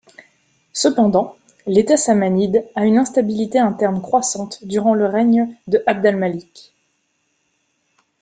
Cependant, l'État samanide a une instabilité interne croissante durant le règne de Abd al-Malik.